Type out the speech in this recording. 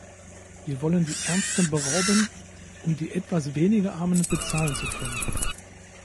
Wir wollen die Ärmsten berauben, um die etwas weniger Armen bezahlen zu können.